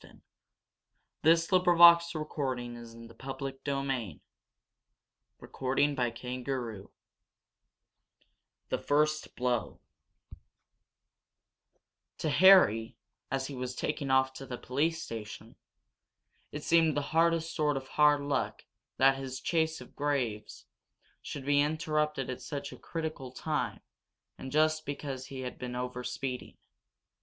I told Harry we'd be there if he needed a telephone, you know. Come on!" CHAPTER XI THE FIRST BLOW To Harry, as he was taken off to the police station, it seemed the hardest sort of hard luck that his chase of Graves should be interrupted at such a critical time and just because he had been over speeding.